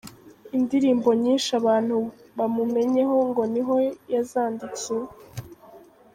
Indirimbo nyinshi abantu bamumenyeho ngo niho yazandikiye.